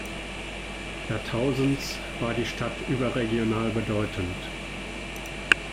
Jahrtausends, war die Stadt überregional bedeutend.